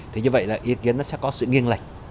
thì như vậy là ý kiến nó sẽ có sự nghiêng lệch